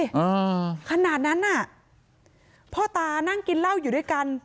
อ่าขนาดนั้นน่ะพ่อตานั่งกินเหล้าอยู่ด้วยกัน